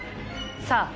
さあ